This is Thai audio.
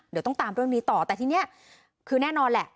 เดี๋ยวต้องตามเรื่องนี้ต่อแต่ทีนี้คือแน่นอนแหละ